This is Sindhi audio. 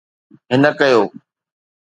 هن ڪيو.